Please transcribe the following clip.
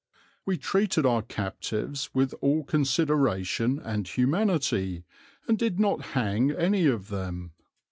We treated our captives with all consideration and humanity, and did not hang any of them.